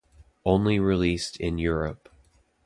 Only released in Europe.